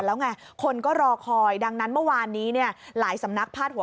แล้วไงคนก็รอคอยดังนั้นเมื่อวานนี้เนี่ยหลายสำนักพาดหัว